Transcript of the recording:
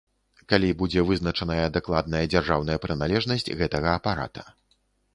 Калі будзе вызначаная дакладная дзяржаўная прыналежнасць гэтага апарата.